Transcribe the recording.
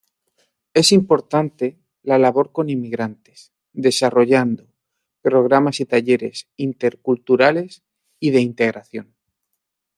Es importante la labor con inmigrantes desarrollando programas y talleres interculturales y de integración.